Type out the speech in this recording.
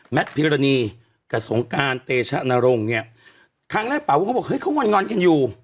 พิรณีกับสงการเตชะนรงค์เนี่ยครั้งแรกเป๋าวงเขาบอกเฮ้เขางอนงอนกันอยู่